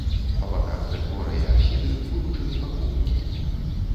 Па баках прытвора і апсіды вылучаны бакоўкі.